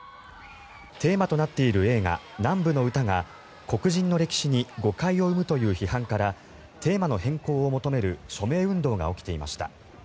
テーマとなっている映画「南部の唄」が黒人の歴史に誤解を生むという批判からテーマの変更を求める署名運動が起きていました。